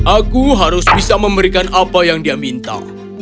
aku harus bisa memberikan apa yang dia minta